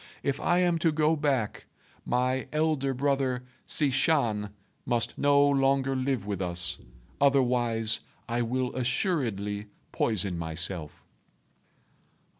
If I am to go back, my elder brother Hsi Shan must no longer live with us; otherwise, I will assuredly poison myself."